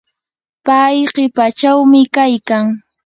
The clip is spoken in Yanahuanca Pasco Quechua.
pay qipachawmi kaykan.